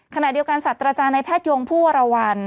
ขณะเดียวกันสัตว์อาจารย์ในแพทยงผู้วรวรรณ